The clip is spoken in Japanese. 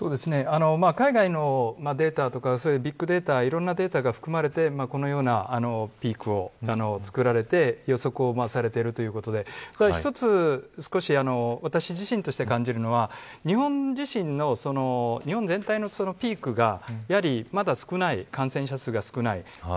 海外のデータとかビッグデータいろんなデータが含まれてこのようなピークを作られて予測をされているということで一つ、私自身として感じるのは日本全体のピークがやはり、まだ感染者数が少ない。